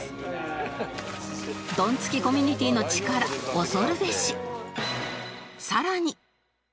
ドンツキコミュニティーの力恐るべし